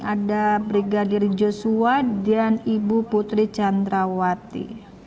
ada brigadir joshua dan ibu putri candrawati